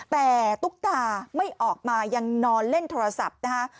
แต่ตุ๊กตาไม่ออกมายังนอนเล่นโทรศัพท์นะคะ